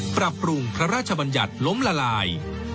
ปรับปรุงพระราชบัญญัติล้มละลาย